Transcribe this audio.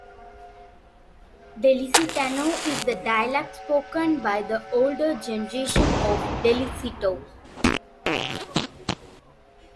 Delicetano is the dialect spoken by the older generation of Deliceto.